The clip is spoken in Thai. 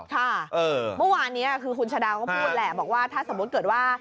ค่ะเมื่อวานนี้คือคุณชะดาก็พูดแหละบอกว่าถ้าสมมุติเกิดว่า